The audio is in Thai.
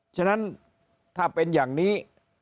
ฉะนั้นถ้าเป็นอย่างนี้